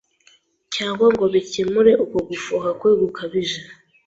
cyangwa ngo bikemure uko gufuha kwe gukabije.